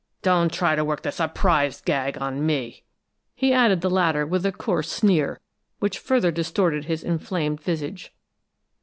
Don't try to work the surprised gag on me!" He added the latter with a coarse sneer which further distorted his inflamed visage.